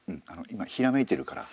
今ひらめいてるから。